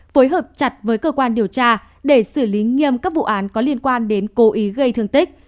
phối hợp chặt với cơ quan điều tra để xử lý nghiêm các vụ án có liên quan đến cố ý gây thương tích